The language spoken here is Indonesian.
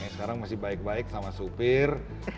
sekarang masih baik baik sama supir